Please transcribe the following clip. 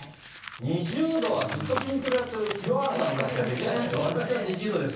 ２０度はずっと筋トレやってる清原さんぐらいしかできないよ。